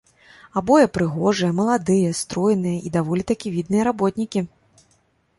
Абое прыгожыя, маладыя, стройныя, і даволі такі відныя работнікі.